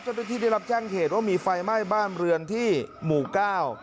ได้รับแจ้งเหตุว่ามีไฟไหม้บ้านเรือนที่หมู่เก้า